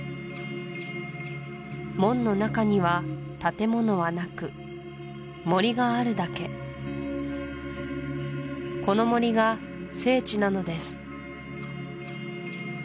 門の中には建物はなく森があるだけこの森が聖地なのです